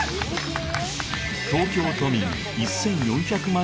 東京都民１４００万